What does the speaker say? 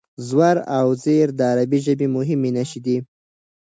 زور او زېر د عربي ژبې مهمې نښې دي.